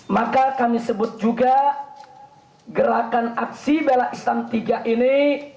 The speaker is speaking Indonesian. maka kami sebut juga gerakan aksi bela islam tiga ini